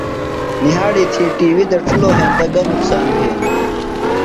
نِھیاڑی تھی ٹی وی دڇھِلو ہینتہ گہ نقصان بھینیۡ؟